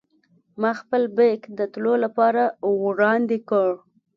ما خپل بېک د تللو لپاره وړاندې کړ.